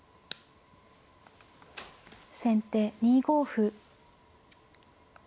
先手２五歩。